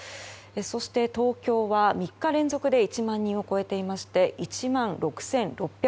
そして東京は３日連続で１万人を超えていまして１万６６６２人。